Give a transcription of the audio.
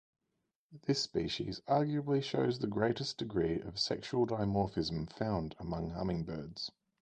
This species arguably shows the greatest degree of sexual dimorphism found among hummingbirds.